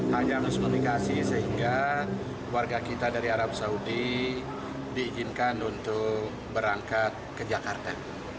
hanya miskomunikasi sehingga warga kita dari arab saudi diizinkan untuk berangkat ke jakarta